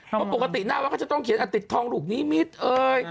เพราะปกติหน้าวัดเขาจะต้องเขียนติดทองลูกนิมิตรเอ่ย